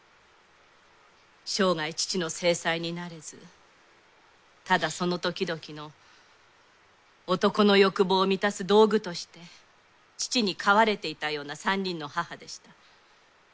生涯父の正妻になれずただそのときどきの男の欲望を満たす道具として父に飼われていたような３人の母でした。